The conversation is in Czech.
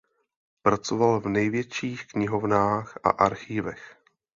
Pracoval v největších knihovnách a archivech.